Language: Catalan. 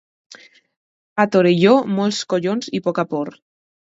A Torelló, molts collons i poca por.